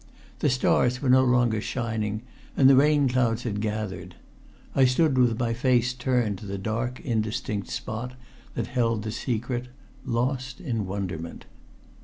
The stars were no longer shining and the rain clouds had gathered. I stood with my face turned to the dark indistinct spot that held the secret, lost in wonderment.